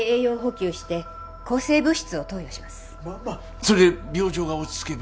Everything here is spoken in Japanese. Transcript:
それで病状が落ち着けば？